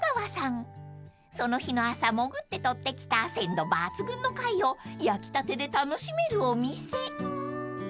［その日の朝潜って捕ってきた鮮度抜群の貝を焼きたてで楽しめるお店］